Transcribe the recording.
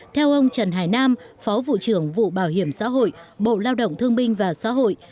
theo ông trần hải nam phó vụ trưởng vụ bảo hiểm xã hội bộ lao động thương binh và xã hội